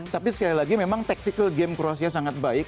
tapi sekali lagi memang taktikal game kroasia sangat baik